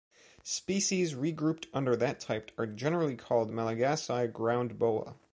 Species regrouped under that type are generally called Malagasy ground boa.